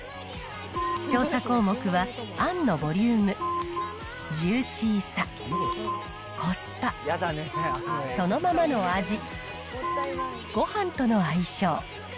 調査項目はあんのボリューム、ジューシーさ、コスパ、そのままの味、ごはんとの相性。